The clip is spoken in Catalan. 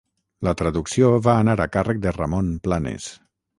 La traducció va anar a càrrec de Ramon Planes.